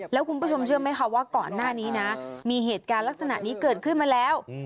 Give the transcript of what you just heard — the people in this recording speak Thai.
แล้วคุณผู้ชมเชื่อไหมคะว่าก่อนหน้านี้นะมีเหตุการณ์ลักษณะนี้เกิดขึ้นมาแล้ว